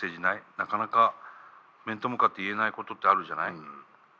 なかなか面と向かって言えないことってあるじゃない？